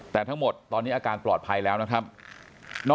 แต่ทั้งหมดตอนนี้อาการปลอดภัยแล้วนะครับ